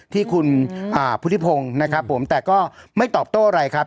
ที่คุณพุทธิพงศ์นะครับผมแต่ก็ไม่ตอบโต้อะไรครับ